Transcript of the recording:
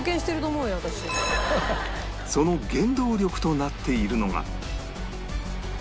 その原動力となっているのが